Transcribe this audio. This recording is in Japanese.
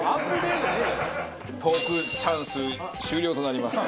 トークチャンス終了となります。